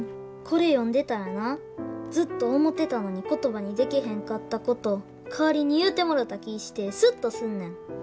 これ読んでたらなずっと思てたのに言葉にでけへんかったこと代わりに言うてもろた気ぃしてスッとすんねん。